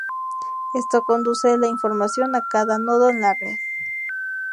Esto conduce la información a cada nodo en la red.